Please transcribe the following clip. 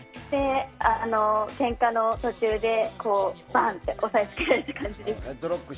ケンカの途中でバン！って押さえつけられた感じです。